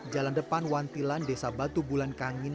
jalan depan wantilan desa batu bulan kangin